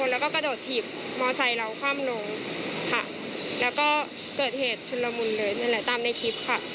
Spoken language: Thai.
แล้วก็เกิดเหตุชนละมุลเลยตามในคลิป